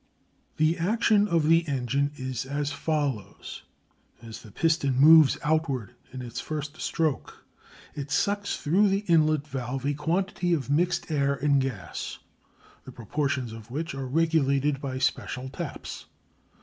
The action of the engine is as follows: as the piston moves outwards in its first stroke it sucks through the inlet valve a quantity of mixed air and gas, the proportions of which are regulated by special taps.